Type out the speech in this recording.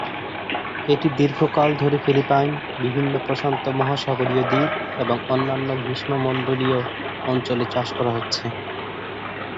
এটি দীর্ঘকাল ধরে ফিলিপাইন, বিভিন্ন প্রশান্ত মহাসাগরীয় দ্বীপ এবং অন্যান্য গ্রীষ্মমণ্ডলীয় অঞ্চলে চাষ করা হচ্ছে।